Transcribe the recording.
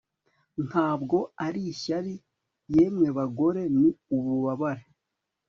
ntabwo ari ishyari, yemwe bagore! ni ububabare